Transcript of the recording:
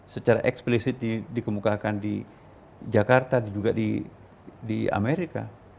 secara eksplisit dikemukakan di jakarta juga di amerika